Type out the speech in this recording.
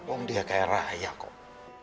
om dia kaya raya kok